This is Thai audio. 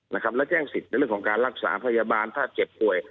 และแจ้งสิทธิ์ในเรื่องของการรักษาพยาบาลถ้าเจ็บป่วย